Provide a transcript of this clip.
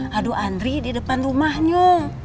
haduh andri di depan rumahnya